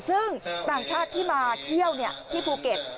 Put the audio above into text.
ซึ่งต่างชาติที่มาเที่ยวที่ภูเก็ต